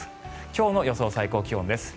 今日の予想最高気温です。